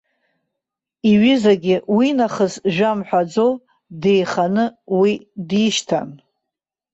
Иҩызагьы уинахыс жәа-мҳәаӡо, деиханы уи дишьҭан.